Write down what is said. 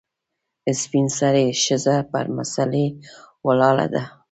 سپین سرې ښځه پر مسلې ولاړه ده .